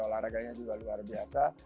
olahraganya juga luar biasa